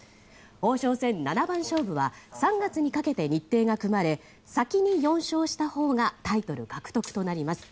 王将戦七番勝負は３月にかけて日程が組まれ先に４勝したほうがタイトル獲得となります。